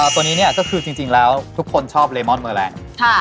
ตัวนี้ก็คือจริงแล้วทุกคนชอบเลมอนเมอร์แรง